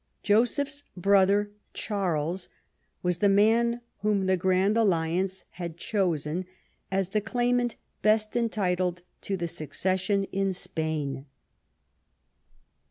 Joseph's brother, Charles, was the man whom the Grand Alliance had chosen as the claimant best en titled to the succession in Spain.